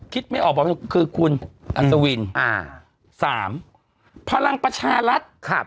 ไม่ออกบอกคือคุณอัศวินอ่าสามพลังประชารัฐครับ